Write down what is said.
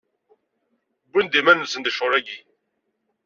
Wwin-d iman-nsen deg ccɣel-agi.